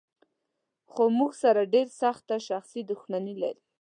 خو زموږ سره ډېره سخته شخصي دښمني لري.